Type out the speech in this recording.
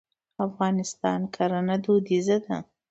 د افغانستان کرنه دودیزه ده.